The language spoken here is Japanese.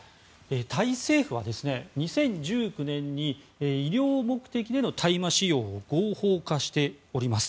タイ政府は、２０１９年に医療目的での大麻使用を合法化しております。